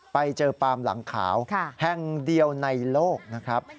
ไปเจอปามหลังขาวแห่งเดียวในโลกนะครับ